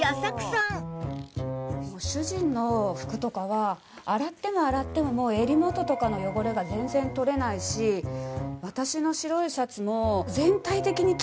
主人の服とかは洗っても洗ってももう襟元とかの汚れが全然取れないし私の白いシャツも全体的に黄ばんでるし。